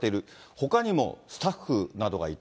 ほかにもスタッフなどがいて。